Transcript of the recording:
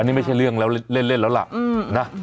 นี่ไม่ใช่เรื่องแล้วเล่นแล้วล่ะนะ